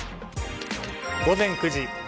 午前９時。